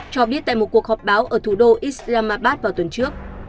cho biết tại một cuộc họp báo ở thủ đô islamabad vào tuần trước